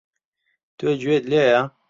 تۆ گوێت لێیە؟